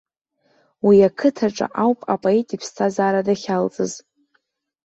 Уи ақыҭаҿы ауп апоет иԥсҭазаара дахьалҵыз.